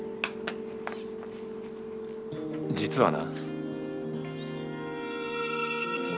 実はな。